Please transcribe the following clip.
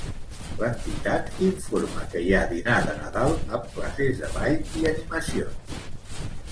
L'entitat informa que hi ha dinar de Nadal amb classes de ball i animacions.